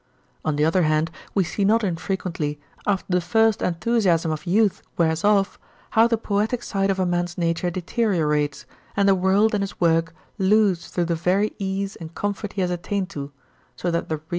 On the other hand, we see not infrequently, after the first enthusiasm of youth wears off, how the poetic side of a man's nature deteriorates, and the world and his work lose through the very ease and comfort he has attained to, so that the real 32 MBS.